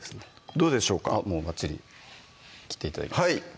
どうでしょうかばっちり切って頂きました